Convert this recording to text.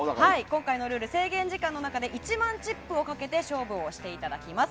今回のルール制限時間の中で１万チップを賭けて勝負をしていただきます。